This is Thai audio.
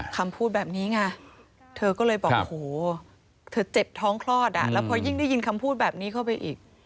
คำพูดแบบนี้ไงเธอก็เลยบอกโอ้โหเธอเจ็บท้องคลอดอ่ะแล้วพอยิ่งได้ยินคำพูดแบบนี้เข้าไปอีก